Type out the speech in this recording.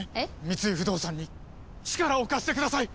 三井不動産に力を貸してください！